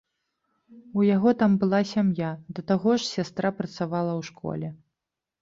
У яго там была сям'я, да таго ж, сястра працавала ў школе.